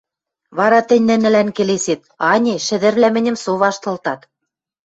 Вара тӹнь нӹнӹлӓн келесет: «Ане, шӹдӹрвлӓ мӹньӹм со ваштылтат!»